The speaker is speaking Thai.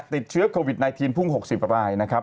ติดเชื้อโควิด๑๙พุ่ง๖๐รายนะครับ